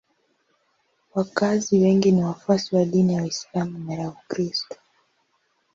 Wakazi wengi ni wafuasi wa dini ya Uislamu na ya Ukristo.